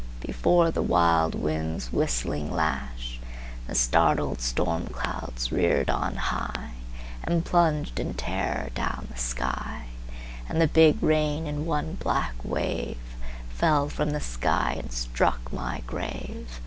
Before the wild wind's whistling lashThe startled storm clouds reared on highAnd plunged in terror down the sky, And the big rain in one black waveFell from the sky and struck my grave.